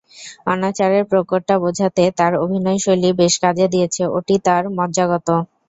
অনাচারের প্রকটটা বোঝাতে তার অভিনয়শৈলী বেশ কাজে দিয়েছে, ওটি তার মজ্জাগত।